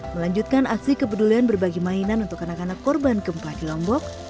melanjutkan aksi kepedulian berbagi mainan untuk anak anak korban gempa di lombok